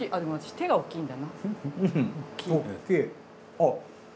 あっ。